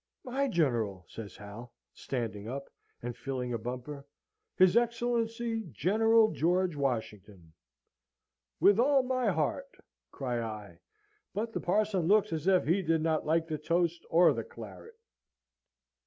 "My General," says Hal, standing up, and filling a bumper. "His Excellency General George Washington!" "With all my heart," cry I, but the parson looks as if he did not like the toast or the claret.